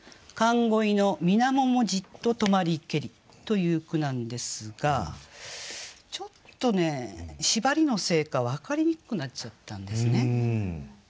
「寒鯉の水面もじつと止まりけり」という句なんですがちょっとね縛りのせいか分かりにくくなっちゃったんですね。